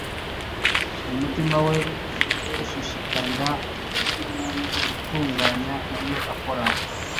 umutima we ushishikarira gutunganya ibyo akora